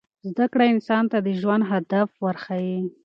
زده کړه انسان ته د ژوند هدف ورښيي.